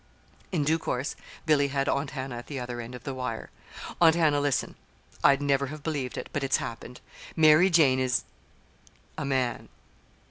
_" In due course Billy had Aunt Hannah at the other end of the wire. "Aunt Hannah, listen. I'd never have believed it, but it's happened. Mary Jane is a man."